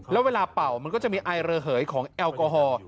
แล้วเวลาเป่ามันก็จะมีไอระเหยของแอลกอฮอล์